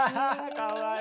かわいい。